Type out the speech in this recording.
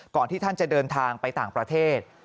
ที่ท่านจะเดินทางไปต่างประเทศ